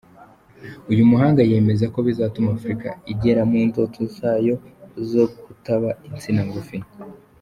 Uyu muhanga yemeza ko bizatuma Afurika igera ku ndoto zayo zo kutaba insina ngufi.